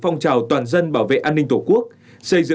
như từ đầu